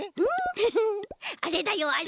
フフあれだよあれ。